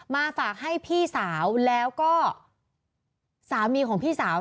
มาฝากให้พี่สาวแล้วก็สามีของพี่สาว